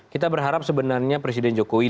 kita berharap sebenarnya presiden jokowi